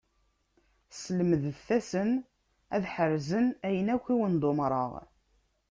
Slemdet-asen ad ḥerzen ayen akk i wen-d-umṛeɣ.